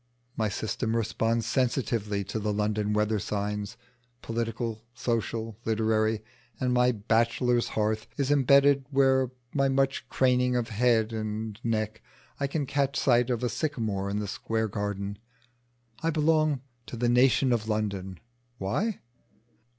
My system responds sensitively to the London weather signs, political, social, literary; and my bachelor's hearth is imbedded where by much craning of head and neck I can catch sight of a sycamore in the Square garden: I belong to the "Nation of London." Why?